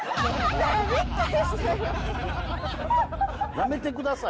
「やめてください！」